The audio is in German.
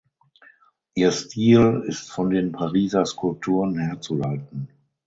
Ihr Stil ist von den Pariser Skulpturen herzuleiten.